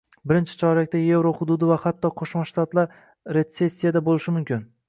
Birinchi chorakda evro hududi va hatto Qo'shma Shtatlar retsessiyada bo'lishi mumkin